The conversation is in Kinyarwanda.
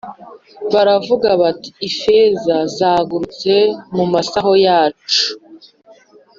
baravuga bati Ifeza zagarutse mu masaho yacu